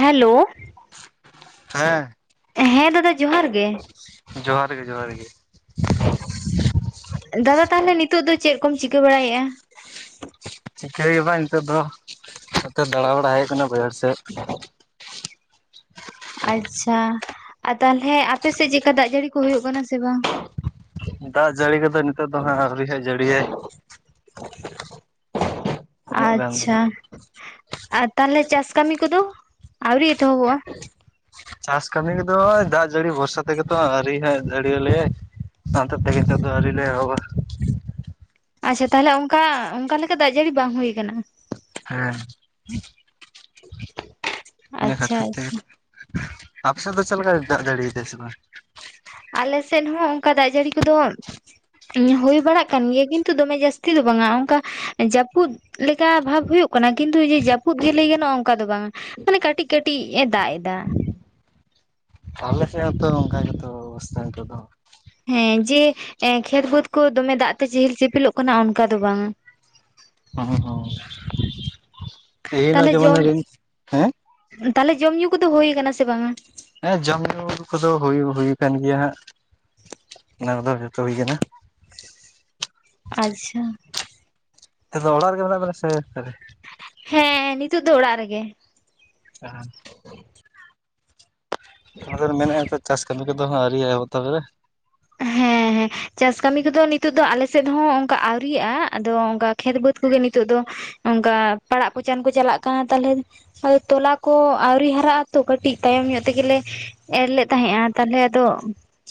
Hello ᱦᱮᱸ ᱦᱮᱸ ᱫᱟᱫᱟ ᱡᱚᱦᱟᱨ ᱜᱮ ᱡᱚᱦᱟᱨ ᱜᱮ ᱡᱚᱦᱟᱨ ᱜᱮ ᱫᱟᱫᱟ ᱛᱟᱦᱚᱞᱮ ᱱᱤᱛᱳᱜ ᱫᱚ ᱪᱮᱫ ᱠᱚᱢ ᱪᱤᱠᱟᱹ ᱵᱟᱲᱟᱭᱮᱫᱼᱟ? ᱪᱤᱠᱟᱹ ᱜᱮ ᱵᱟᱝ ᱱᱤᱛᱚᱜ ᱫᱚ ᱱᱚᱛᱮ ᱫᱟᱬᱟ ᱵᱟᱲᱟ ᱦᱮᱡ ᱟᱠᱟᱱᱟ ᱵᱟᱹᱭᱦᱟᱹᱲ ᱥᱮᱫ ᱟᱪᱪᱷᱟ ᱛᱟᱦᱚᱞᱮ ᱟᱯᱮᱥᱮᱫ ᱪᱮᱫ ᱞᱮᱠᱟ ᱫᱟᱜ ᱡᱟᱹᱲᱤ ᱠᱚ ᱦᱩᱭᱩᱜ ᱠᱟᱱᱟ ᱥᱮ ᱵᱟᱝ? ᱫᱟᱜ ᱡᱟᱹᱲᱤ ᱠᱚᱫᱚ ᱱᱤᱛᱚᱜ ᱫᱚ ᱦᱟᱸᱜ ᱟᱹᱣᱨᱤ ᱦᱟᱜ ᱡᱟᱹᱲᱤᱭᱟᱭ᱾ ᱩᱱᱟᱹᱜ ᱜᱟᱱ ᱫᱚ ᱟᱪᱪᱷᱟ ᱦᱟᱸᱜ ᱟᱨ ᱛᱟᱦᱚᱞᱮ ᱪᱟᱥ ᱠᱟᱹᱢᱤ ᱠᱚᱫᱚ ᱟᱹᱣᱨᱤ ᱮᱛᱚᱦᱚᱵᱚᱜᱼᱟ? ᱪᱟᱥ ᱠᱟᱹᱢᱤ ᱠᱚᱫᱚ ᱫᱟᱜ ᱡᱟᱹᱲᱤ ᱵᱷᱚᱨᱥᱟ ᱛᱮᱜᱮ ᱛᱚ ᱟᱹᱨᱤ ᱦᱟᱜ ᱡᱟᱹᱲᱤᱭ ᱟᱞᱮᱭᱟ ᱚᱱᱛᱮ ᱛᱮᱦᱮᱧ ᱫᱚ ᱟᱣᱨᱤ ᱞᱮ ᱮᱦᱚᱵ-ᱟ ᱟᱪᱪᱷᱟ ᱛᱟᱦᱚᱞᱮ ᱚᱱᱠᱟ ᱚᱱᱠᱟ ᱞᱮᱠᱟ ᱫᱟᱜ ᱡᱟᱹᱲᱤ ᱵᱟᱝ ᱦᱩᱭ ᱟᱠᱟᱱᱟ᱾ ᱦᱮᱸ [unintelligible] ᱤᱱᱟ ᱠᱷᱟᱹᱛᱤᱨ ᱛᱮ ᱟᱪᱪᱷᱟ ᱟᱯᱮ ᱥᱮᱫ ᱫᱚ ᱪᱮᱫᱞᱮᱠᱟᱭ ᱫᱟᱜ ᱡᱟᱹᱲᱤᱭ ᱫᱟᱜ ᱥᱮ ᱵᱟᱝ? ᱟᱞᱮᱥᱮᱫ ᱦᱚᱸ ᱚᱱᱠᱟ ᱫᱟᱜ ᱡᱟᱹᱲᱤ ᱠᱚᱫᱚ, ᱦᱩᱭ ᱵᱟᱲᱟᱜ ᱠᱟᱱ ᱜᱮᱭᱟ ᱠᱤᱱᱛᱩ ᱫᱚᱢᱮ ᱡᱟᱹᱥᱛᱤ ᱫᱚ ᱵᱟᱝᱟ ᱚᱱᱠᱟ ᱡᱟᱹᱯᱩᱫ ᱞᱮᱠᱟ ᱚᱵᱷᱟᱵ ᱦᱩᱭᱩᱜ ᱠᱟᱱᱟ, ᱠᱤᱱᱛᱩ ᱡᱟᱹᱯᱩᱫ ᱜᱮ ᱞᱟᱹᱭ ᱜᱟᱱᱚᱜᱼᱟ ᱚᱱᱠᱟ ᱫᱚ ᱵᱟᱝ᱾ ᱢᱟᱱᱮ ᱠᱟᱹᱴᱤᱡ ᱠᱟᱹᱴᱤᱡ ᱮ ᱫᱟᱜ ᱮᱫᱟ᱾ ᱟᱞᱮ ᱥᱮᱫ ᱦᱚᱸ ᱛᱚ ᱚᱱᱠᱟ ᱜᱮᱛᱚ ᱚᱵᱚᱥᱛᱷᱟ ᱱᱤᱛᱚᱜ ᱫᱚ᱾ ᱦᱮᱸ ᱡᱮ ᱠᱷᱮᱛ ᱵᱟᱹᱫ ᱠᱚ ᱫᱚᱢᱮ ᱫᱟᱜ ᱛᱮ ᱪᱮᱦᱮᱞ ᱪᱮᱯᱤᱞᱚᱜ ᱠᱟᱱᱟ ᱚᱱᱠᱟ ᱫᱚ ᱵᱟᱝᱼᱟ᱾ ᱚ ᱛᱮᱦᱮᱧ ᱫᱚ ᱛᱟᱦᱚᱞᱮ ᱡᱮᱢᱚᱱ, ᱡᱚᱢ ᱦᱮᱸ? ᱛᱟᱦᱚᱞᱮ ᱡᱚᱢ ᱧᱩ ᱠᱚᱫᱚ ᱦᱩᱭ ᱟᱠᱟᱱᱟ ᱥᱮ ᱵᱟᱝᱼᱟ? ᱦᱮᱸ ᱡᱚᱢ ᱧᱩ ᱠᱚᱫᱚ ᱦᱩᱭ ᱦᱩᱭ ᱟᱠᱟᱱ ᱜᱮᱭᱟ ᱦᱟᱸᱜ ᱚᱱᱟ ᱠᱚᱫᱚ ᱡᱚᱛᱚ ᱦᱩᱭ ᱟᱠᱟᱱᱟ᱾ ᱟᱪᱪᱷᱟ ᱚᱲᱟᱜ ᱨᱮᱜᱮ ᱢᱮᱱᱟᱜ ᱵᱮᱱᱟ ᱥᱮ ᱟᱠᱟᱨᱮ? ᱦᱮᱸ ᱱᱤᱛᱚᱜ ᱫᱚ ᱚᱲᱟᱜ ᱨᱮᱜᱮ᱾ ᱡᱟᱦᱟᱱ ᱟᱫᱚ ᱢᱮᱱᱮᱫᱼᱟ ᱱᱚ ᱪᱟᱥ ᱠᱟᱹᱢᱤ ᱠᱚᱫᱚ ᱟᱹᱣᱨᱤ ᱦᱟᱜ ᱮᱛᱚᱦᱚᱜ ᱛᱟᱞᱮ? ᱦᱮᱸ ᱦᱮᱸ ᱦᱮᱸ ᱪᱟᱥ ᱠᱟᱹᱢᱤ ᱠᱚᱫᱚ ᱱᱤᱛᱚᱜ ᱫᱚ ᱟᱞᱮ ᱥᱮᱫ ᱦᱚᱸ ᱚᱱᱠᱟ ᱟᱹᱣᱨᱤᱜᱼᱟ ᱟᱫᱚ ᱚᱱᱠᱟ ᱠᱷᱮᱛ ᱵᱟᱹᱫᱽ ᱠᱚᱜᱮ ᱱᱤᱛᱚᱜ ᱫᱚ ᱚᱱᱠᱟ ᱯᱟᱲᱟᱜ ᱯᱚᱪᱟᱱ ᱠᱚ ᱪᱟᱞᱟᱜ ᱠᱟᱱᱟ ᱛᱟᱞᱦᱮ, ᱦᱳᱭ ᱛᱚᱞᱟ ᱠᱚ ᱟᱣᱨᱤ ᱦᱟᱨᱟᱜ ᱟᱛᱚ ᱠᱟᱹᱴᱤᱡ ᱛᱟᱭᱚᱢ ᱧᱚᱜ ᱛᱮᱜᱮᱞᱮ ᱮᱨ ᱞᱮᱫ ᱛᱟᱦᱮᱸᱫᱼᱟ ᱛᱟᱞᱦᱮ ᱟᱫᱚ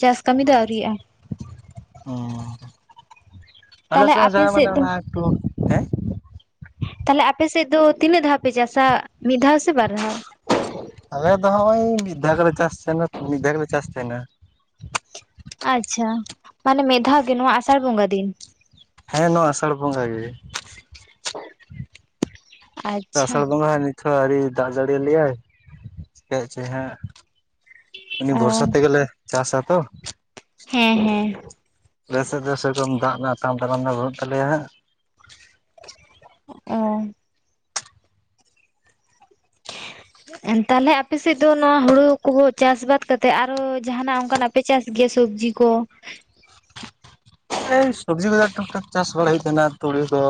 ᱪᱟᱥ ᱠᱟᱹᱢᱤ ᱫᱚ ᱟᱹᱣᱨᱤᱜᱼᱟ᱾ ᱚ ᱟᱞᱮ ᱛᱟᱦᱚᱞᱮ ᱥᱮᱡ ᱦᱚ ᱟᱯᱮ ᱡᱟᱦᱟ ᱢᱟᱱᱮ ᱥᱮᱫ ᱫᱚ ᱚᱱᱟ ᱮᱠᱴᱩ, ᱦᱮᱸ ᱛᱟᱦᱚᱞᱮ ᱟᱯᱮᱥᱮᱫ ᱫᱚ ᱛᱤᱱᱟᱹᱜ ᱫᱷᱟᱣ ᱯᱮ ᱪᱟᱥᱟ ᱢᱤᱫ ᱫᱷᱟᱣ ᱥᱮ ᱵᱟᱨ ᱫᱷᱟᱣ? ᱟᱞᱮ ᱫᱚ ᱦᱚᱸᱜ ᱚᱭ ᱢᱤᱫ ᱫᱷᱟᱣ ᱜᱮᱞᱮ ᱪᱟᱥ ᱛᱟᱦᱮᱱᱟ ᱢᱤᱫ ᱫᱷᱟᱣ ᱜᱮᱞᱮ ᱪᱟᱥ ᱛᱟᱦᱮᱱᱟ᱾ ᱟᱪᱪᱷᱟ ᱢᱟᱱᱮ ᱢᱤᱫ ᱫᱷᱟᱣ ᱜᱮ ᱱᱚᱣᱟ ᱟᱥᱟᱲ ᱵᱚᱸᱜᱟ ᱫᱤᱱ? ᱦᱮᱸ ᱱᱚᱣᱟ ᱟᱥᱟᱲ ᱵᱚᱸᱜᱟ ᱜᱮ ᱟᱥᱟᱲ ᱟᱪᱪᱷᱟ ᱵᱚᱸᱜᱟ ᱦᱚᱸ ᱱᱤ ᱛᱷᱚ ᱟᱹᱣᱨᱤ ᱫᱟᱜ ᱡᱟᱲᱤᱭᱟᱭᱟ ᱞᱮᱭᱟᱭ ᱪᱮᱠᱟ ᱮᱫ ᱪᱚᱭ ᱦᱟᱜ, ᱩᱱᱤ ᱵᱷᱚᱨᱥᱟ ᱚ ᱛᱮᱜᱮᱞᱮ ᱪᱟᱥᱟ ᱛᱚ᱾ ᱦᱮᱸ ᱦᱮᱸ ᱟᱞᱮᱥᱮᱫ ᱫᱚ ᱥᱮᱨᱚᱠᱚᱢ ᱫᱟᱜ ᱨᱮᱱᱟᱜ ᱟᱛᱟᱝ ᱛᱟᱲᱟᱢᱮ ᱵᱟᱹᱱᱩᱜ ᱛᱟᱞᱮᱭᱟ ᱦᱟᱸᱜ, ᱚ ᱛᱟᱞᱦᱮ ᱟᱯᱮ ᱥᱮᱫ ᱫᱚ ᱱᱚᱣᱟ ᱦᱩᱲᱩ ᱠᱚ ᱪᱟᱥ ᱵᱟᱫ ᱠᱟᱛᱮ ᱟᱨᱚ ᱡᱟᱦᱟᱱᱟᱜ ᱚᱱᱠᱟᱱᱟᱜ, ᱯᱮ ᱪᱟᱥ ᱜᱮᱭᱟ ᱥᱚᱵᱡᱤ ᱠᱚ, ᱮᱭ ᱥᱚᱵᱽᱡᱤ ᱠᱚᱫᱚ ᱴᱩᱠ ᱴᱷᱟᱠ ᱪᱟᱥ ᱵᱟᱲᱟᱭ ᱦᱩᱭᱩᱜ ᱛᱟᱦᱮᱱᱟ ᱛᱩᱲᱤ ᱠᱚ,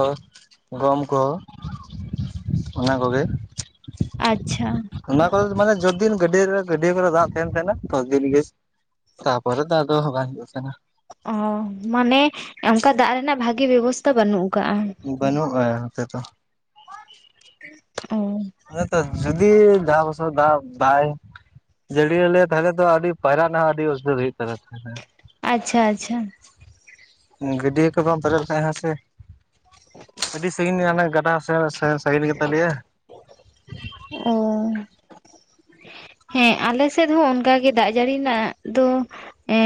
ᱜᱚᱢ ᱠᱚ, ᱚᱱᱟ ᱠᱚᱜᱮ ᱟᱪᱪᱷᱟ ᱚᱱᱟ ᱠᱚᱨᱮ ᱢᱟᱱᱮ ᱡᱚᱛ ᱫᱤᱱ ᱜᱟᱹᱰᱤᱭᱟᱹ ᱜᱟᱹᱰᱤᱭᱟᱹ ᱠᱚᱨᱮ ᱫᱟᱜ ᱛᱟᱦᱮᱱ ᱛᱟᱦᱮᱱᱟ ᱛᱚ ᱫᱤᱱ ᱜᱮ ᱛᱟᱯᱚᱨ ᱫᱟᱫ ᱫᱚ ᱵᱟᱝ ᱦᱤᱡᱩᱜ ᱠᱟᱱᱟ᱾ ᱚ ᱢᱟᱱᱮ ᱚᱱᱠᱟ ᱫᱟᱜ ᱨᱮᱱᱟᱜ ᱵᱷᱟᱜᱤ ᱵᱮᱵᱚᱥᱛᱛᱟ ᱵᱟᱹᱱᱩᱜ ᱠᱟᱜᱼᱟ᱾ ᱵᱟᱹᱱᱩᱜᱼᱟ ᱱᱚᱛᱮᱫᱚ, ᱚ ᱦᱮ ᱛᱚ ᱡᱩᱫᱤ ᱡᱟᱦᱟᱸ ᱵᱚᱥᱚᱨ ᱫᱟᱜ ᱵᱟᱭ ᱡᱟᱹᱲᱤᱭᱟ ᱞᱮᱭᱟ ᱛᱟᱦᱚᱞᱮ ᱛᱚ ᱟᱹᱰᱤ ᱯᱟᱭᱨᱟ ᱨᱮᱱᱟᱜ ᱦᱚᱸ ᱟᱹᱰᱤ ᱩᱥᱩᱵᱤᱫᱷᱟ ᱦᱩᱭᱩᱜ [unintelligible] ᱟᱪᱪᱷᱟ ᱟᱪᱪᱷᱟ ᱜᱟᱹᱰᱭᱟᱹ ᱠᱚ ᱵᱟᱢ ᱯᱮᱨᱮᱡ ᱞᱮᱠᱷᱟᱡ ᱦᱮᱸ ᱥᱮ ᱟᱹᱰᱤ ᱥᱟᱺᱜᱤᱧ ᱦᱟᱱᱮ ᱜᱟᱰᱟ ᱥᱮ ᱥᱟᱹᱜᱤᱧ ᱜᱮᱛᱟ ᱞᱮᱭᱟ᱾ ᱚ ᱦᱮᱸ ᱟᱞᱮ ᱥᱮᱫ ᱦᱚᱸ ᱚᱱᱠᱟᱜ ᱜᱮ ᱫᱟᱜ ᱡᱟᱹᱲᱤ ᱨᱮᱱᱟᱜ ᱫᱚ ᱮ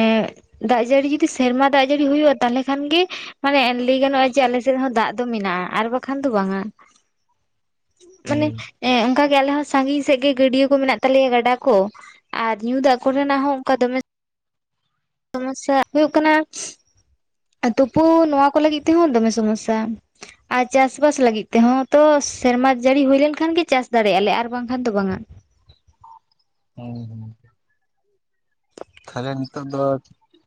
ᱫᱟᱜ ᱡᱟᱹᱲᱤ ᱡᱩᱫᱤ ᱥᱮᱨᱢᱟ ᱫᱟᱜ ᱡᱟᱹᱲᱤ ᱦᱩᱭᱩᱜᱼᱟ ᱛᱟᱦᱚᱞᱮ ᱠᱷᱟᱱ ᱜᱮ ᱢᱟᱱᱮ ᱞᱟᱹᱭ ᱜᱟᱱᱚᱜᱼᱟ ᱡᱮ ᱟᱞᱮ ᱥᱮᱫ ᱦᱚᱸ ᱫᱟᱜ ᱫᱚ ᱢᱮᱱᱟᱜᱼᱟ ᱟᱨ ᱵᱟᱠᱷᱟᱱ ᱫᱚ ᱵᱟᱝᱼᱟ᱾ ᱢᱟᱱᱮ ᱦᱩᱸ ᱮᱸ ᱚᱱᱠᱟᱜᱮ ᱟᱞᱮ ᱦᱚᱸ ᱥᱟᱺᱜᱤᱧ ᱥᱮᱫ ᱜᱮ ᱜᱟᱹᱰᱭᱟᱹ ᱠᱚ ᱢᱮᱱᱟᱜ ᱦᱩᱭᱩᱜ ᱛᱟᱞᱮᱭᱟ ᱜᱟᱰᱟ ᱠᱚ ᱟᱨ ᱧᱩ ᱫᱟᱜ ᱠᱚᱨᱮᱱᱟᱜ ᱦᱚᱸ ᱚᱱᱠᱟ ᱫᱚᱢᱮ ᱥᱚᱢᱚᱥᱥᱟ ᱦᱩᱭᱩᱜ ᱠᱟᱱᱟ ᱛᱩᱯᱩ ᱱᱚᱣᱟ ᱠᱚ ᱞᱟᱹᱜᱤᱫ ᱛᱮᱦᱚᱸ ᱫᱚᱢᱮ ᱥᱚᱢᱚᱥᱥᱟ ᱟᱨ ᱪᱟᱥᱵᱟᱥ ᱞᱟᱹᱜᱤᱫ ᱛᱮᱦᱚᱸ ᱛᱚ ᱥᱮᱨᱢᱟ ᱡᱟᱹᱲᱤ ᱦᱩᱭᱞᱮᱱᱠᱷᱟᱱ ᱜᱮ ᱪᱟᱥ ᱫᱟᱲᱮᱭᱟᱜᱼᱟ ᱞᱮ ᱟᱨ ᱵᱟᱝᱠᱷᱟᱱ ᱫᱚ ᱵᱟᱝᱟ ᱦᱩᱸ ᱛᱷᱟᱞᱮ ᱱᱤᱛᱚᱜ ᱫᱚ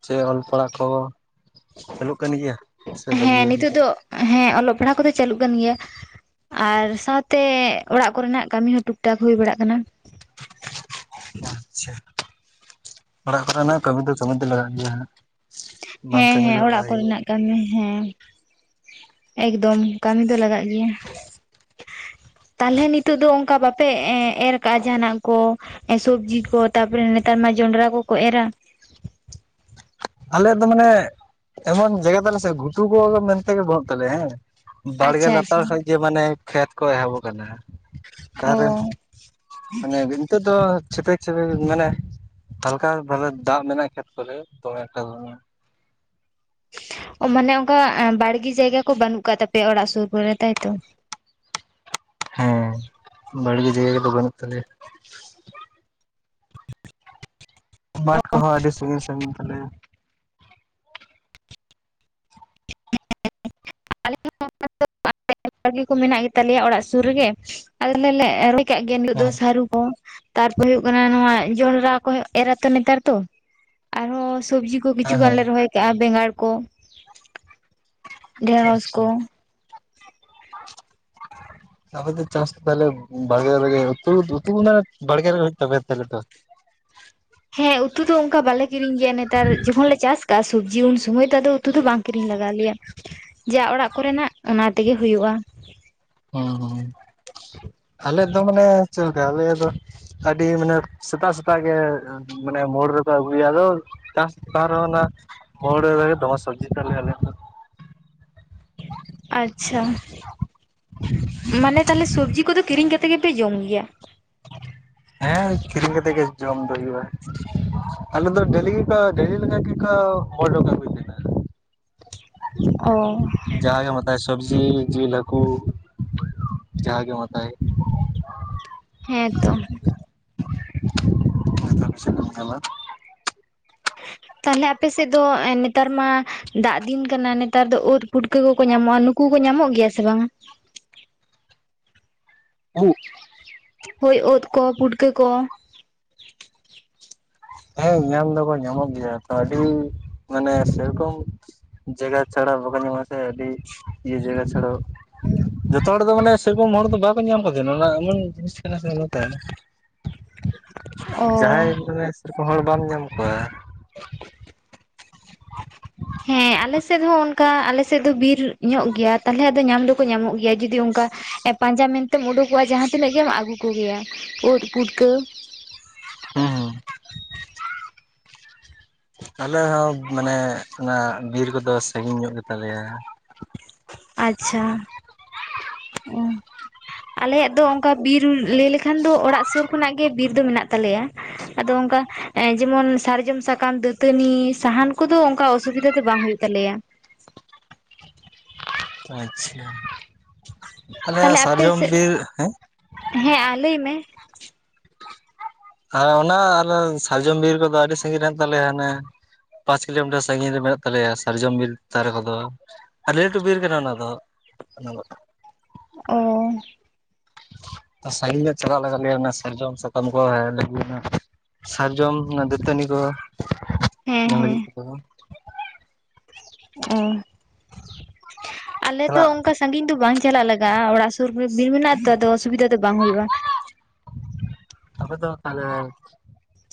ᱪᱮᱫ ᱚᱞ ᱯᱟᱲᱦᱟᱣ ᱠᱚ ᱪᱟᱹᱞᱩᱜ ᱠᱟᱱ ᱜᱮᱭᱟ ᱥᱮ ᱵᱟᱹᱜᱤ ᱦᱮᱸ ᱦᱩᱭ ᱱᱤᱛᱚᱜ ᱫᱚ ᱠᱟᱱᱟ ᱦᱮᱸ ᱚᱞᱚᱜ ᱯᱟᱲᱦᱟᱣ ᱠᱚᱫᱚ ᱪᱟᱹᱞᱩᱜ ᱠᱟᱱ ᱜᱮᱭᱟ ᱟᱨ ᱥᱟᱶᱛᱮ ᱚᱲᱟᱜ ᱠᱚᱨᱮᱱᱟᱜ ᱠᱟᱹᱢᱤ ᱦᱚᱸ ᱴᱩᱠ ᱴᱟᱠ ᱦᱩᱭ ᱵᱟᱲᱟᱜ ᱠᱟᱱᱟ ᱟᱪᱪᱷᱟ ᱚᱲᱟᱜ ᱠᱚᱨᱮᱱᱟᱜ ᱠᱟᱹᱢᱤ ᱫᱚ ᱠᱟᱹᱢᱤ ᱫᱚ ᱞᱟᱜᱟᱜ ᱜᱮᱭᱟ ᱦᱟᱸᱜ ᱵᱟᱝ ᱦᱮᱸ ᱠᱟᱹᱢᱤ ᱦᱮᱸ ᱨᱮᱦᱚᱸ ᱚᱲᱟᱜ ᱵᱟᱭ ᱦᱩᱭᱩᱜᱼᱟ ᱠᱚᱨᱮᱱᱟᱜ ᱠᱟᱹᱢᱤ ᱦᱮᱸ ᱮᱠᱫᱚᱢ ᱠᱟᱹᱢᱤ ᱫᱚ ᱞᱟᱜᱟᱜ ᱜᱮᱭᱟ ᱛᱟᱞᱦᱮ ᱱᱤᱛᱚᱜ ᱫᱚ ᱚᱝᱠᱟ ᱵᱟᱯᱮ ᱮ ᱮᱨ ᱠᱟᱜᱼᱟ ᱡᱟᱦᱟᱱᱟᱜ ᱠᱚ ᱥᱩᱵᱽᱡᱤ ᱠᱚ ᱛᱟᱨᱯᱚᱨᱮ ᱱᱮᱛᱟᱨ ᱢᱟ ᱡᱚᱱᱰᱨᱟ ᱠᱚᱠᱚ ᱮᱨᱟ ᱟᱞᱮᱭᱟᱜ ᱫᱚ ᱢᱟᱱᱮ ᱮᱢᱚᱱ ᱡᱟᱭᱜᱟ ᱛᱟᱞᱮ ᱥᱮ ᱜᱷᱩᱴᱩ ᱠᱚ ᱜᱮ ᱢᱮᱱᱛᱮᱜᱮ ᱵᱟᱹᱱᱩᱜ ᱛᱟᱞᱮᱭᱟ ᱦᱮᱸ ᱵᱟᱲᱜᱮ ᱟᱪᱪᱷᱟ ᱟᱪᱪᱷᱟ ᱞᱟᱛᱟᱨ ᱠᱷᱚᱡ ᱜᱮ ᱢᱟᱱᱮ ᱠᱷᱮᱛ ᱠᱚ ᱮᱦᱚᱵ ᱟᱠᱟᱱᱟ ᱚᱠᱟᱨᱮ ᱚ [unintelligible] ᱱᱤᱛᱚᱜ ᱫᱚ ᱪᱷᱯᱮᱠ ᱪᱷᱮᱯᱮᱠ ᱢᱟᱱᱮ ᱦᱟᱞᱠᱟ ᱵᱷᱟᱵᱮ ᱫᱟᱜ ᱢᱮᱱᱟᱜᱼᱟ ᱠᱷᱮᱛ ᱠᱚᱨᱮ ᱫᱚᱢᱮ ᱮᱠᱴᱟ ᱫᱚ ᱵᱟᱝᱟ ᱚ ᱢᱟᱱᱮ ᱚᱱᱠᱟ ᱵᱟᱲᱜᱤ ᱡᱟᱭᱜᱟ ᱠᱚ ᱵᱟᱹᱱᱩᱜ ᱟᱠᱟᱫ ᱛᱟᱯᱮᱭᱟ ᱚᱲᱟᱜ ᱥᱩᱨ ᱠᱚᱨᱮ ᱛᱟᱭᱛᱚ ᱦᱚᱸ ᱵᱟᱲᱜᱮ ᱡᱟᱭᱜᱟ ᱠᱚᱫᱚ ᱵᱟᱹᱱᱩᱜ ᱛᱟᱞᱮᱭᱟ ᱢᱟᱴ ᱠᱚᱦᱚᱸ ᱟᱹᱰᱤ ᱥᱟᱺᱜᱤᱧ ᱥᱟᱺᱜᱤᱧ ᱛᱟᱞᱮᱭᱟ [inaudible] ᱟᱞᱮ ᱦᱚᱸ ᱚᱱᱠᱟ ᱫᱚ ᱵᱟᱲᱜᱮ ᱠᱚ ᱢᱮᱱᱟᱜ ᱜᱮᱛᱟᱞᱮᱭᱟ ᱚᱲᱟᱜ ᱥᱩᱨ ᱨᱮᱜᱮ ᱟᱞᱮ ᱫᱚᱞᱮ ᱨᱚᱦᱚᱭ ᱠᱟᱜ ᱜᱮᱭᱟ ᱱᱤᱛᱚᱜ ᱫᱚ ᱦᱮᱸ ᱥᱟᱹᱨᱩ ᱚ ᱛᱟᱨᱯᱚᱨ ᱦᱩᱭᱩᱜ ᱠᱟᱱᱟ ᱱᱚᱣᱟ ᱡᱚᱱᱰᱨᱟ ᱠᱚ ᱮᱨᱟ ᱛᱚ ᱱᱮᱛᱟᱨ ᱛᱚ ᱟᱨᱦᱚᱸ ᱥᱩᱵᱽᱡᱤ ᱠᱚ ᱦᱮᱸ ᱠᱤᱪᱷᱩᱜᱟᱱᱞᱮ ᱦᱮᱸ ᱨᱚᱦᱚᱭ ᱠᱟᱜᱼᱟ ᱵᱮᱸᱜᱟᱲ ᱠᱚ ᱰᱷᱮᱸᱲᱚᱥ ᱟᱪᱪᱷᱟ ᱠᱚ [inaudible] ᱟᱯᱮ ᱫᱚ ᱪᱟᱥ ᱛᱟᱦᱞᱮ ᱵᱟᱲᱜᱮ ᱨᱮᱜᱮ ᱩᱛᱩ ᱩᱛᱩ ᱢᱟᱱᱮ ᱵᱟᱲᱜᱮ ᱨᱮᱜᱮ ᱦᱳᱭᱳᱜ ᱛᱟᱯᱮᱭᱟ ᱛᱟᱦᱞᱮ ᱫᱚ ᱦᱮᱸ ᱩᱛᱩ ᱫᱚ ᱚᱝᱠᱟ ᱵᱟᱞᱮ ᱠᱤᱨᱤᱧ ᱜᱮᱭᱟ ᱱᱮᱛᱟᱨ ᱡᱚᱠᱷᱚᱱ ᱞᱮ ᱪᱟᱥ- ᱠᱟᱜ-ᱟ ᱥᱩᱵᱽᱡᱤ ᱩᱱ ᱥᱚᱢᱚᱭ ᱫᱚ ᱟᱫᱚ ᱩᱛᱩ ᱫᱚ ᱵᱟᱝ ᱠᱤᱨᱤᱧ ᱞᱟᱜᱟᱣ ᱞᱮᱭᱟ ᱡᱟ ᱚᱲᱟᱜ ᱠᱚᱨᱮᱱᱟᱜ ᱚᱱᱟ ᱛᱮᱜᱮ ᱦᱩᱭᱩᱜᱼᱟ ᱚ ᱚ ᱟᱞᱮ ᱫᱚ ᱢᱟᱱᱮ ᱪᱮᱫ ᱞᱮᱠᱟ ᱟᱞᱮᱭᱟᱜ ᱫᱚ ᱟᱹᱰᱤ ᱢᱟᱱᱮ ᱥᱮᱛᱟᱜ ᱥᱮᱛᱟᱜ ᱜᱮ ᱢᱟᱱᱮ ᱢᱳᱲ ᱨᱮᱠᱚ ᱟᱹᱜᱩᱭᱟ ᱟᱫᱚ ᱪᱟᱥ ᱛᱟᱦᱮᱱ ᱨᱮᱦᱚᱸ ᱱᱟᱦᱟᱜ ᱢᱳᱲ ᱨᱮᱜᱮ ᱫᱚᱢᱮ ᱥᱚᱵᱽᱡᱤ ᱛᱟᱞᱮ ᱟᱞᱮᱭᱟᱜ ᱫᱚ ᱟᱪᱪᱷᱟ ᱢᱟᱱᱮ ᱛᱟᱞᱦᱮ ᱥᱩᱵᱽᱡᱤ ᱠᱚᱫᱚ ᱠᱤᱨᱤᱧ ᱜᱮ ᱠᱟᱛᱮ ᱜᱮᱯᱮ ᱡᱚᱢ ᱜᱮᱭᱟ ᱦᱮᱸ ᱠᱤᱨᱤᱧ ᱠᱟᱛᱮ ᱜᱮ ᱡᱚᱢ ᱫᱚ ᱦᱩᱭᱩᱜᱼᱟ ᱟᱞᱮ ᱫᱚ ᱰᱮᱞᱤ ᱜᱤᱛᱚ ᱰᱮᱞᱤ ᱞᱮᱠᱟ ᱜᱮᱠᱚ [unintelligible] ᱚ ᱡᱟᱦᱟᱸ ᱜᱮᱢ ᱦᱟᱛ- ᱥᱚᱵᱽᱡᱤ ᱡᱤᱞ ᱦᱟᱹᱠᱩ ᱡᱟᱦᱟᱸ ᱜᱮᱢ ᱦᱟᱛᱟᱣᱮᱫ ᱦᱮᱸ ᱛᱚ ᱠᱚᱢ ᱥᱮ ᱠᱚᱢ ᱧᱮᱞᱟ [inaudible] ᱛᱟᱦᱞᱮ ᱟᱯᱮᱥᱮᱫ ᱫᱚ ᱱᱮᱛᱟᱨ ᱢᱟ ᱫᱟᱜ ᱫᱤᱱ ᱠᱟᱱᱟ ᱱᱮᱛᱟᱨ ᱫᱚ ᱳᱫ ᱯᱩᱴᱠᱟᱹ ᱠᱚᱠᱚ ᱧᱟᱢᱚᱜᱼᱟ ᱱᱩᱠ- ᱠᱩ ᱠᱚ ᱧᱟᱢᱚᱜ ᱜᱮᱭᱟ ᱥᱮ ᱵᱟᱝ? [unintelligible] ᱦᱳᱭ ᱳᱛᱠᱚ ᱯᱩᱴᱠᱟᱹ ᱠᱚ ᱦᱮᱸ ᱧᱟᱢ ᱫᱚᱠᱚ ᱧᱟᱢᱚᱜ ᱜᱮᱭᱟ ᱛᱚ ᱟᱹᱰᱤ ᱢᱟᱱᱮ ᱥᱮᱨᱚᱠᱚᱢ, ᱡᱟᱭᱜᱟ ᱪᱷᱟᱲᱟ ᱵᱟᱠᱚ ᱧᱟᱢᱚᱜᱼᱟ ᱥᱮ ᱟᱹᱰᱤ ᱤᱭᱟᱹ ᱡᱟᱭᱜᱟ ᱪᱷᱟᱲᱚ ᱡᱚᱛᱚ ᱦᱚᱲ ᱫᱚ ᱢᱟᱱᱮ ᱥᱮᱨᱚᱠᱚᱢ ᱦᱚᱲ ᱫᱚ ᱵᱟᱠᱚ ᱧᱟᱢ ᱠᱚᱜᱮᱭᱟ ᱱᱚᱣᱟ ᱮᱢᱚᱱ ᱡᱤᱱᱤᱥ ᱠᱟᱱᱟ ᱥᱮ ᱚᱱᱟᱛᱮ [inaudible] ᱚ ᱡᱟᱦᱟᱸᱭ ᱢᱟᱱᱮ ᱥᱮᱨᱚᱠᱚᱢ ᱦᱚᱲ ᱵᱟᱢ ᱧᱟᱢ ᱠᱚᱣᱟ᱾ ᱦᱮᱸ ᱟᱞᱮ ᱥᱮᱫ ᱦᱚᱸ ᱚᱱ [unintelligible] [unintelligible] ᱠᱟ ᱟᱞᱮᱥᱮᱜ ᱫᱚ ᱵᱤᱨ ᱧᱚᱜ ᱜᱮᱭᱟ ᱛᱟᱞᱦᱮ ᱟᱫᱚ ᱧᱟᱢ ᱫᱚᱠᱚ ᱧᱟᱢᱚᱜ ᱜᱮᱭᱟ ᱡᱩᱫᱤ ᱚᱱᱠᱟ? [unintelligible] ᱯᱟᱸᱡᱟ ᱢᱮᱱᱛᱮᱢ ᱩᱰᱩᱠᱚᱜᱼᱟ ᱡᱟᱦᱟᱸ ᱛᱤᱱᱟᱹᱜ ᱜᱮᱢ ᱟᱹᱜᱩ ᱠᱚᱜᱮᱭᱟ ᱳᱫ ᱯᱩᱴᱠᱟᱹ ᱦᱮᱸ ᱦᱮᱸ [unintelligible] ᱟᱞᱮ ᱦᱚᱸ ᱢᱟᱱᱮᱜ ᱚᱱᱟ ᱵᱤᱨ ᱠᱚᱫᱚ ᱥᱟᱺᱜᱤᱧ ᱧᱚᱜ ᱜᱮ ᱛᱟᱞᱮᱭᱟ ᱾ ᱟᱪᱪᱷᱟ [unintelligible] ᱟᱞᱮᱭᱟᱜ ᱫᱚ ᱚᱝᱠᱟ ᱵᱤᱨ ᱞᱟᱹᱭ ᱞᱮᱠᱷᱟᱱ ᱫᱚ ᱚᱲᱟᱜ ᱥᱳᱨ ᱠᱷᱚᱱᱟᱜ ᱜᱮ ᱵᱤᱨ ᱫᱚ ᱢᱮᱱᱟᱜ ᱛᱟᱞᱮᱭᱟ ᱾ ᱟᱫᱚ ᱚᱱᱠᱟ ᱡᱮᱢᱚᱱ ᱥᱟᱨᱡᱚᱢ ᱥᱟᱠᱟᱢ, ᱫᱟᱹᱛᱟᱹᱱᱤ, ᱥᱟᱦᱟᱱ ᱠᱚᱫᱚ ᱚᱱᱠᱟ ᱚᱥᱩᱵᱤᱫᱟ [unintelligible] [unintelligible] ᱵᱟᱝ ᱦᱩᱭᱩᱜ ᱛᱟᱞᱮᱭᱟ᱾ [unintelligible] ᱟᱪᱻᱪᱷᱟ᱾ ᱛᱟᱦᱚᱞᱮ ᱟᱯᱮ ᱥᱮᱜ? ᱦᱮᱸ ᱦᱮᱸ [unintelligible] ᱞᱟᱹᱭ ᱢᱮ᱾ [unintelligible] ᱚᱱᱟ ᱟᱨ ᱥᱟᱨᱡᱚᱢ ᱵᱤᱨ ᱠᱚᱫᱚ ᱟᱹᱰᱤ ᱥᱟᱺᱜᱤᱧ [unintelligible] ᱛᱟᱞᱮᱭᱟ ᱦᱟᱱᱮ᱾ ᱯᱟᱸᱪ ᱠᱤᱞᱳᱢᱤᱴᱟᱨ ᱥᱟᱺᱜᱤᱧ ᱨᱮ ᱢᱮᱱᱟᱜ ᱛᱟᱞᱮᱭᱟ ᱥᱟᱨᱡᱚᱢ ᱵᱤᱨ ᱫᱟᱨᱮ ᱠᱚᱫᱚ ᱾ ᱟᱰᱤ ᱞᱟᱹᱴᱩ ᱵᱤᱨ ᱠᱟᱱᱟ ᱚᱱᱟ ᱫᱚ ᱾ ᱚᱻᱚ ᱥᱟᱺᱜᱤᱧ ᱧᱚᱜ ᱪᱟᱞᱟᱜ ᱞᱟᱜᱟᱱ ᱜᱮ ᱚᱱᱟ ᱥᱟᱨᱡᱚᱢ ᱥᱟᱠᱟᱢ ᱠᱚ ᱦᱮᱡ ᱞᱟᱹᱜᱤᱱ᱾ [unintelligible] ᱥᱟᱨᱡᱚᱢ ᱚᱱᱟ ᱫᱟᱹᱛᱟᱹᱱᱤ ᱠᱚᱦᱚ ᱦᱮᱸ ᱚᱱᱟ ᱦᱮᱸ ᱞᱟᱹᱜᱤᱫ ᱛᱮᱦᱚᱸ ᱾ ᱚ ᱟᱞᱮ ᱫᱚ ᱪᱟᱞᱟᱜ ᱚᱝᱠᱟ, ᱥᱟᱺᱜᱤᱧ ᱫᱚ ᱵᱟᱝ ᱪᱟᱞᱟᱜ ᱞᱟᱜᱟᱜᱼᱟ ᱚᱲᱟᱜ ᱥᱩᱨ ᱨᱮ ᱵᱤᱨ ᱢᱮᱱᱟᱜᱼᱟ ᱛᱚ ᱟᱫᱚ ᱚᱥᱩᱵᱤᱫᱟ ᱫᱚ ᱵᱟᱝ ᱦᱩᱭᱩᱜᱼᱟ᱾ [unintelligible] ᱟᱯᱮ ᱫᱚ ᱛᱟᱦᱚᱞᱮ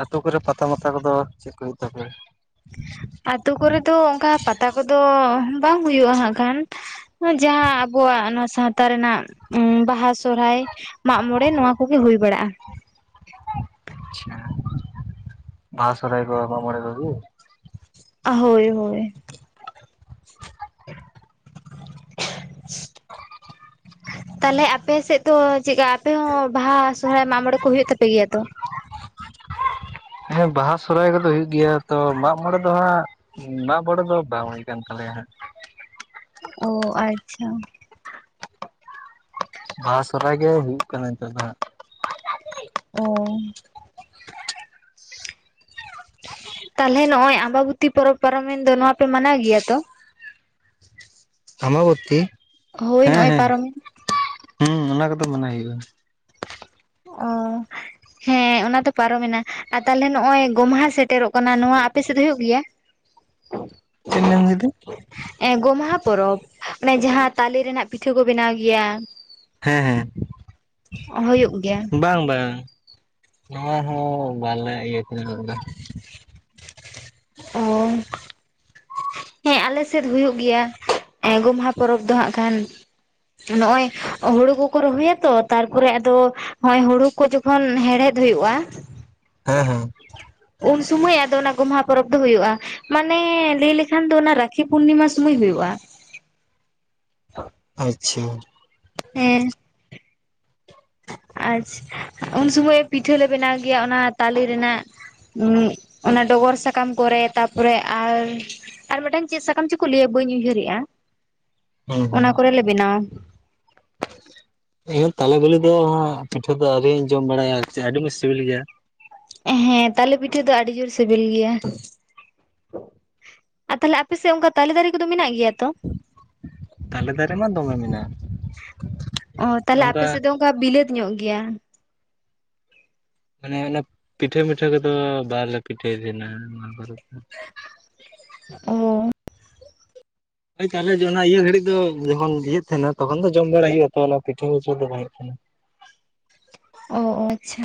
ᱟᱹᱛᱩ ᱠᱚᱨᱮ ᱯᱟᱛᱟ ᱢᱟᱛᱟ ᱠᱚᱫᱚ ᱪᱮᱫ ᱠᱚ ᱦᱩᱭᱩᱜ ᱛᱟᱯᱮᱭᱟ? ᱟᱛᱳ ᱠᱚᱨᱮ ᱫᱚ ᱚᱱᱠᱟ ᱯᱟᱛᱟ ᱠᱚᱫᱚ ᱵᱟᱝ ᱦᱩᱭᱩᱜᱼᱟ ᱦᱟᱸᱜ ᱠᱷᱟᱱ ᱾ [unintelligible] ᱡᱟᱦᱟᱸ ᱟᱵᱚᱣᱟᱜ ᱱᱚᱣᱟ ᱥᱟᱶᱛᱟ ᱨᱮᱱᱟᱜ ᱵᱟᱦᱟ ᱥᱚᱨᱦᱟᱭ ᱾ ᱢᱟᱜᱽ ᱢᱚᱬᱮ ᱱᱚᱣᱟ ᱠᱚᱜᱮ ᱦᱩᱭ ᱵᱟᱲᱟᱜᱼᱟ᱾ ᱟᱪᱪᱷᱟ, ᱵᱟᱦᱟ ᱥᱚᱨᱦᱟᱭ ᱠᱚ ᱢᱟᱜᱽ ᱢᱚᱬᱮ? [unintelligible] ᱦᱳᱭ ᱦᱳᱭ᱾ ᱛᱟᱞᱦᱮ ᱟᱯᱮ ᱥᱮᱜ ᱫᱚ ᱪᱮᱜᱠᱟ? ᱟᱯᱮ ᱦᱚᱸ ᱵᱟᱦᱟ ᱥᱚᱨᱦᱟᱭ ᱢᱟᱜᱽ ᱢᱚᱬᱮ ᱠᱚ ᱦᱚᱭᱩᱜ ᱛᱟᱯᱮ ᱜᱮᱭᱟ ᱛᱚ? [inaudible] ᱦᱮᱸ ᱵᱟᱦᱟ ᱥᱚᱨᱦᱟᱭ ᱠᱚᱫᱚ ᱦᱩᱭᱩᱜ ᱜᱮᱭᱟ ᱛᱚ ᱢᱟᱜᱽ ᱢᱚᱬᱮ ᱫᱚ ᱦᱟᱸᱜ [unintelligible] ᱢᱟᱜᱽ ᱵᱚᱬᱮ ᱫᱚ ᱵᱟᱝ ᱦᱩᱭ ᱠᱟᱱ ᱛᱟᱞᱮᱭᱟ ᱦᱟᱸᱜ᱾ ᱚᱻ ᱟᱪᱪᱷᱟ᱾ ᱵᱟᱦᱟ ᱥᱚᱨᱦᱟᱭ ᱜᱮ ᱦᱩᱭᱩᱜ ᱠᱟᱱᱟ ᱱᱤᱛᱟᱨ ᱫᱚ ᱦᱟᱸᱜ᱾ ᱚᱻᱚ ᱛᱟᱦᱚᱞᱮ ᱱᱚᱜᱼᱚᱭ ᱟᱢᱵᱟᱵᱚᱛᱤ ᱯᱚᱨᱚᱵᱽ ᱯᱟᱨᱚᱢᱮᱱ ᱫᱚ ᱱᱚᱣᱟ ᱯᱮ ᱢᱟᱱᱟᱣ ᱜᱮᱭᱟ ᱛᱚ? ᱟᱢᱵᱟᱵᱚᱛᱤ ᱦᱳᱭ ᱦᱮᱸ ᱱᱚᱜᱼᱚᱭ ᱦᱮᱸ ᱯᱟᱨᱚᱢᱮᱱ ᱦᱩᱸ ᱚᱱᱟ ᱠᱚᱫᱚ ᱢᱟᱱᱟᱣ ᱦᱩᱭᱩᱜᱼᱟ᱾ ᱚᱻᱚ ᱦᱮᱸ᱾ ᱚᱱᱟ ᱛᱚ ᱯᱟᱨᱚᱢᱮᱱᱟ ᱟᱨ ᱛᱟᱞᱦᱮ ᱱᱚᱜᱼᱚᱭ ᱜᱚᱢᱦᱟ ᱥᱮᱴᱮᱨᱚᱜ ᱠᱟᱱᱟ ᱱᱚᱣᱟ ᱟᱯᱮ ᱥᱮᱫ ᱦᱩᱭᱩᱜ ᱜᱮᱭᱟ? [inaudible] ᱪᱮᱜ [unintelligible] ᱢᱮᱱ ᱫᱤᱫᱤ? ᱮᱸ ᱜᱚᱢᱦᱟ ᱯᱚᱨᱚᱵᱽ ᱚᱱᱮ ᱡᱟᱦᱟᱸ ᱛᱟᱞᱮ ᱨᱮᱱᱟᱜ ᱯᱤᱴᱷᱟᱹ ᱠᱚ ᱵᱮᱱᱟᱣ ᱜᱮᱭᱟ᱾ ᱦᱮᱸ ᱦᱮᱸ ᱦᱩᱭᱩᱜ ᱜᱮᱭᱟ᱾ ᱵᱟᱝ ᱵᱟᱝ ᱱᱚᱣᱟ ᱦᱚᱸ ᱵᱟᱞᱮ ᱤᱭᱟᱹ᱾ [unintelligible] [unintelligible] [unintelligible] ᱦᱮᱸ ᱟᱞᱮ ᱥᱮᱫ ᱦᱩᱭᱩᱜ ᱜᱮᱭᱟ ᱜᱚᱢᱦᱟ ᱯᱚᱨᱚᱵᱽ ᱫᱚ ᱦᱟᱸᱜ ᱠᱷᱟᱱ᱾ ᱱᱚᱜᱼᱚᱭ ᱦᱩᱲᱩ ᱠᱚᱠᱚ ᱨᱚᱦᱚᱭᱟ ᱛᱚ ᱛᱟᱨᱯᱚᱨᱮ ᱟᱫᱚ ᱱᱚᱜ ᱚᱭ ᱦᱩᱲᱩ ᱠᱚ ᱡᱚᱠ [unintelligible] ᱠᱷᱚᱱ ᱦᱮᱬᱦᱮᱫ ᱦᱩᱭᱩᱜᱼᱟ ᱦᱮᱸ ᱦᱮᱸ᱾ ᱩᱱ ᱥᱩᱢᱟᱹᱭ ᱟᱫᱚ ᱚᱱᱟ ᱜᱳᱢᱦᱟ ᱯᱚᱨᱚᱵᱽ ᱫᱚ ᱦᱩᱭᱩᱜᱼᱟ᱾ ᱢᱟᱱᱮ ᱞᱟᱹᱭ ᱞᱮᱠᱷᱟᱱ ᱫᱚ ᱚᱱᱟ ᱨᱟᱠᱷᱤ ᱯᱩᱨᱱᱤᱢᱟ ᱥᱩᱢᱟᱹᱭ ᱦᱩᱭᱩᱜᱼᱟ᱾ ᱟᱪᱪᱷᱟ᱾ ᱦᱮᱸ᱾ ᱟᱪᱷ, ᱩᱱ ᱥᱩᱢᱟᱹᱭ ᱯᱤᱴᱷᱟᱹ ᱞᱮ ᱵᱮᱱᱟᱣ ᱜᱮᱭᱟ ᱚᱱᱟ ᱛᱟᱞᱮ ᱨᱮᱱᱟᱜ᱾ ᱚᱱᱟ ᱰᱚᱜᱚᱨ ᱥᱟᱠᱟᱢ ᱠᱚᱨᱮ ᱛᱟᱯᱚᱨᱮ ᱟᱨ ᱟᱨ ᱢᱤᱫ ᱴᱟᱝ ᱪᱮᱫ ᱥᱟᱠᱟᱢ ᱪᱚᱠᱚ ᱞᱟᱹᱭᱟ ᱵᱟᱹᱧ ᱩᱭᱦᱟᱹᱨᱮᱜᱼᱟ ᱦᱩᱸ ᱦᱩᱸ ᱚᱱᱟ ᱠᱚᱨᱮᱞᱮ ᱵᱮᱱᱟᱣᱼᱟ᱾ ᱻ [inaudible] ᱤᱧ ᱛᱟᱞᱮ ᱵᱤᱞᱤ ᱫᱚ ᱯᱤᱴᱷᱟᱹ ᱫᱚ ᱟᱣᱨᱤᱧ ᱡᱚᱢ ᱵᱟᱲᱟᱭᱟ ᱟᱹᱰᱤ ᱢᱚᱸᱡᱽ ᱥᱤᱵᱤᱞ ᱜᱮᱭᱟ ᱦᱮᱸ ᱛᱟᱞᱮ ᱯᱤᱴᱷᱟᱹ ᱫᱚ ᱟᱹᱰᱤ ᱡᱳᱨ ᱥᱤᱵᱤᱞ ᱜᱮᱭᱟ ᱟᱨ ᱛᱟᱦᱚᱞᱮ ᱟᱯᱮ ᱥᱮᱫ ᱚᱱᱠᱟ ᱛᱟᱞᱮ ᱫᱟᱨᱮ ᱠᱚᱫᱚ ᱢᱮᱱᱟᱜ ᱜᱮᱭᱟ ᱛᱚ ᱛᱟᱞᱮ ᱫᱟᱨᱮ ᱢᱟ ᱫᱚᱢᱮ ᱢᱮᱱᱟᱜᱼᱟ ᱚ ᱛᱟᱦᱚᱞᱮ ᱟᱯᱮ ᱚᱝᱠᱟ ᱥᱮᱫ ᱫᱚ ᱚᱱᱠᱟ ᱵᱤᱞᱟᱹᱛ ᱧᱚᱜ ᱜᱮᱭᱟ ᱢᱟᱱᱮ ᱚᱱᱮ ᱯᱤᱴᱷᱟᱹ ᱯᱤᱴᱷᱟᱹ ᱠᱚᱫᱚ ᱵᱟᱞᱮ ᱯᱤᱴᱷᱟᱹᱭ ᱛᱟᱦᱮᱱᱟ ᱢᱟ ᱵᱟᱨ ᱨᱚᱠᱟᱢᱟᱜ [unintelligible] ᱚ [unintelligible] [unintelligible] [unintelligible] ᱚ ᱟᱪᱪᱷᱟ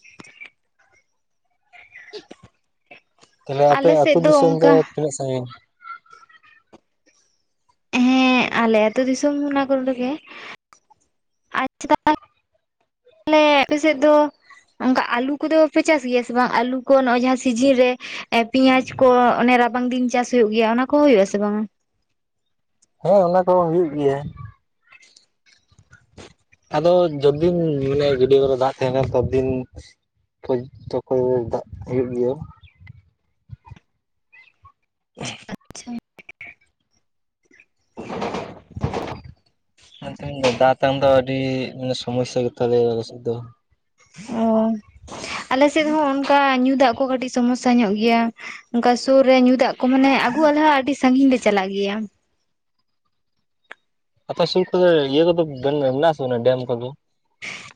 [inaudible] ᱛᱟᱦᱚᱞᱮ ᱟᱯᱮ ᱟᱞᱮ ᱟᱹᱛᱩ ᱥᱮᱫ ᱫᱤᱥᱚᱢ ᱫᱚ ᱚᱱᱠᱟ ᱛᱤᱱᱟᱹᱜ ᱥᱟᱺᱜᱤᱧ? ᱦᱮᱸ ᱟᱞᱮ ᱟᱹᱛᱩ ᱫᱤᱥᱚᱢ ᱚᱱᱟ ᱠᱚᱨᱮ ᱨᱮᱜᱮ ᱟᱪᱪᱷᱟ ᱟᱞᱮ ᱟᱯᱮ ᱥᱮᱫ ᱫᱚ ᱚᱱᱠᱟ ᱟᱹᱞᱩ ᱠᱚᱫᱚ ᱯᱮ ᱪᱟᱥ ᱜᱮᱭᱟ ᱥᱮ ᱵᱟᱝ ᱟᱞᱩ ᱠᱚ ᱱᱚᱜ ᱚᱭ ᱡᱟᱦᱟᱸ ᱥᱤᱡᱤᱱ ᱨᱮ ᱯᱮᱸᱭᱟᱡ ᱠᱚ ᱚᱱᱮ ᱨᱟᱵᱟᱝ ᱫᱤᱱ ᱪᱟᱥ ᱦᱩᱭᱩᱜ ᱜᱮᱭᱟ ᱚᱱᱟ ᱠᱚᱦᱚᱸ ᱦᱩᱭᱩᱜ ᱟᱥᱮ ᱵᱟᱝᱼᱟ ᱦᱮᱸ ᱚᱱᱟ ᱠᱚᱸ ᱦᱩᱭᱩᱜ ᱜᱮᱭᱟ ᱟᱫᱚ ᱡᱚᱫᱤᱱ ᱢᱟᱱᱮ ᱜᱤᱰᱭᱟᱹ ᱠᱚᱨᱮ ᱫᱟᱜ ᱛᱟᱦᱮᱸᱱᱟ ᱛᱚᱫᱫᱤᱱ [unintelligible] ᱛᱚᱠᱚ ᱫᱟᱜ ᱦᱩᱭᱩᱜ ᱜᱮᱭᱟ [unintelligible] ᱻ [inaudible] ᱢᱮᱱᱫᱟ ᱫᱟᱜᱛᱟᱝ ᱫᱚ ᱟᱹᱰᱤ ᱢᱟᱱᱮ ᱥᱚᱢᱚᱥᱥᱟ ᱜᱮᱛᱟᱞᱮ ᱟᱞᱮ ᱥᱮᱱ ᱫᱚ ᱚ ᱟᱞᱮ ᱥᱮᱫ ᱦᱚᱸ ᱚᱱᱠᱟ ᱧᱩ ᱫᱟᱜ ᱠᱚ ᱠᱟᱹᱴᱤᱡ ᱥᱚᱢᱚᱥᱥᱟ ᱧᱚᱜ ᱜᱮᱭᱟ ᱚᱱᱠᱟ ᱥᱩᱨ ᱨᱮ ᱧᱩ ᱫᱟᱜ ᱠᱚ ᱢᱟᱱᱮ ᱟᱹᱜᱩ ᱟᱞᱮ ᱦᱚᱸ ᱟᱹᱰᱤ ᱥᱟᱺᱜᱤᱧ ᱞᱮ ᱪᱟᱞᱟᱜ ᱜᱮᱭᱟ ᱟᱯᱮ ᱥᱩᱨ ᱠᱚᱫᱚ ᱤᱭᱟᱹ ᱠᱚᱫᱚ ᱢᱮᱱᱟᱜ ᱟᱥᱮ ᱵᱟᱝᱟ ᱰᱮᱢ ᱠᱚᱫᱚ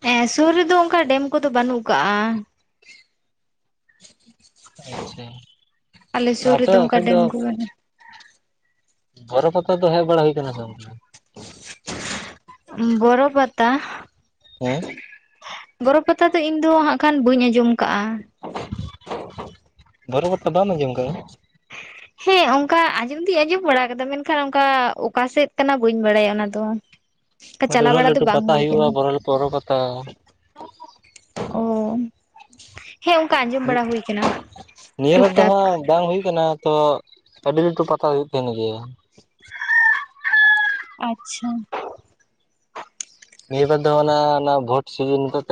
ᱦᱮᱸ ᱥᱩᱨ ᱨᱮᱫᱚ ᱚᱱᱠᱟ ᱰᱮᱢ ᱠᱚᱫᱚ ᱵᱟᱹᱱᱩᱜ ᱠᱟᱜ ᱟ ᱟᱪᱪᱷᱟ ᱟᱞᱮᱥᱩᱨ ᱟᱯᱮ ᱨᱮᱫᱚ ᱚᱱᱠᱟ ᱵᱟᱠᱷᱟᱡ ᱰᱮᱢ ᱫᱚ ᱠᱚ ᱢᱟᱱ ᱵᱚᱨᱚᱯᱟᱛᱟ ᱫᱚ ᱦᱮᱡ ᱵᱟᱲᱟ ᱦᱩᱭ ᱠᱟᱱᱟ ᱥᱮ ᱵᱟᱝ ᱵᱚᱨᱚ ᱯᱟᱛᱟ ᱦᱮᱸ ᱵᱚᱨᱚ ᱯᱟᱛᱟ ᱫᱚ ᱤᱧ ᱫᱚ ᱦᱟᱸᱜ ᱠᱷᱟᱱ ᱵᱟᱹᱧ ᱟᱸᱡᱚᱢ ᱟᱠᱟᱜᱼᱟ ᱵᱟᱨᱟ ᱯᱟᱛᱟ ᱵᱟᱢ ᱟᱸᱡᱚᱢ ᱠᱟᱜᱼᱟ ᱻ [inaudible] ᱦᱮᱸ ᱚᱱᱠᱟ ᱟᱸᱡᱚᱢ ᱫᱩᱧ ᱟᱸᱡᱚᱢ ᱵᱟᱲᱟ ᱟᱠᱟᱫᱟ ᱢᱮᱱᱠᱷᱟᱱ ᱚᱱᱠᱟ ᱚᱠᱟᱥᱮᱫ ᱠᱟᱱᱟ ᱵᱟᱹᱧ ᱵᱟᱲᱟᱭᱟ ᱚᱱᱟ ᱫᱚ ᱚᱱᱠᱟ ᱪᱟᱞᱟᱣ ᱩᱱᱟᱹᱜ ᱵᱟᱲᱟ ᱫᱚ ᱞᱟᱹᱴᱩ ᱵᱟᱝ ᱯᱟᱛᱟ ᱦᱩᱭ ᱦᱩᱭᱩᱜ-ᱟ ᱠᱟᱱᱟ ᱵᱚᱨᱚ ᱵᱚᱨᱚ ᱯᱟᱛᱟ ᱚ ᱦᱮᱸ ᱚᱝᱠᱟ ᱟᱡᱚᱢ ᱱᱤᱭᱟᱹ ᱵᱟᱨ ᱫᱚ ᱦᱟᱸᱜ ᱵᱟᱝ ᱦᱩᱭ ᱠᱟᱱᱟ ᱛᱚ ᱟᱹᱰᱤ ᱞᱟᱹᱴᱩ ᱯᱟᱛᱟ ᱦᱩᱭᱩᱜ ᱛᱟᱦᱮᱱ ᱜᱮᱭᱟ ᱻ [inaudible] ᱟᱪᱪᱷᱟ ᱱᱤᱭᱟᱹ ᱵᱟᱨ ᱫᱚ ᱚᱱᱟ ᱚᱱᱟ ᱵᱷᱳᱴ ᱥᱤᱡᱤᱱ ᱠᱚᱛᱮ